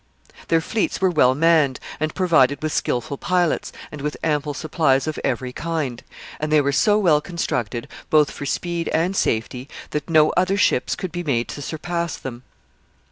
Their fleets were well manned, and provided with skillful pilots, and with ample supplies of every kind; and they were so well constructed, both for speed and safety, that no other ships could be made to surpass them.